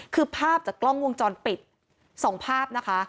คือภาพจากกล้องวงจรปิด๒ภาพนะคะ